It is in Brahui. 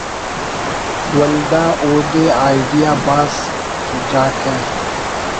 ولدا اودے آئیڈیا بھاز سُجاکہ